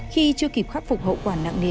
khi chưa kịp khắc phục hậu quản nặng nghề